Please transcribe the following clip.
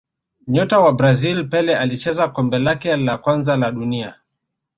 Nyota wa Brazil Pele alicheza kombe lake la kwanza la dunia